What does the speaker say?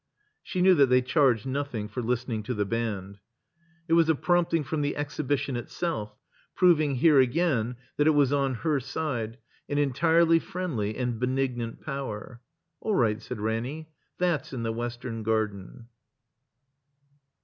She knew that they charged nothing for listening to the band. It was a i)rompting from the Exhibition itself, proving, here again, that it was on her side, an en tirely friendly and benignant power. ''All right," said Ranny. ''That*s in the Western Garden."